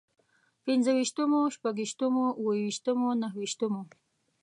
پنځه ويشتمو، شپږ ويشتمو، اووه ويشتمو، نهه ويشتمو